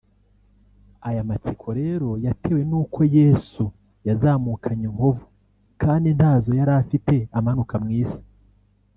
Aya matsiko rero yatewe n’uko Yesu yazamukanye inkovu kandi ntazo yari afite amanuka mu isi